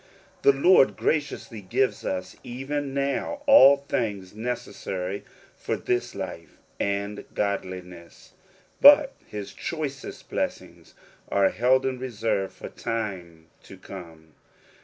The Lord graciously gives us even now all things necessary for this life and godliness ; but his choicest blessings are held in reserve for time to come.